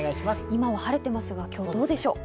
今は晴れていますが、今日どうでしょう？